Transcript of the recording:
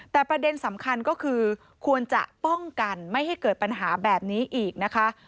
แต่ประเด็นสำคัญก็คือควรจะป้องกันไม่ให้เกิดปัญหาแบบนี้อีกนะคะ